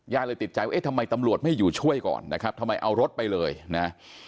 เลยติดใจว่าเอ๊ะทำไมตำรวจไม่อยู่ช่วยก่อนนะครับทำไมเอารถไปเลยนะ